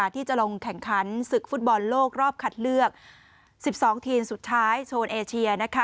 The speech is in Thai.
ที่จะลงแข่งขันศึกฟุตบอลโลกรอบคัดเลือก๑๒ทีมสุดท้ายโซนเอเชีย